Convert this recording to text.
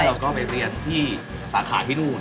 เราก็ไปเรียนที่สาขาที่นู่น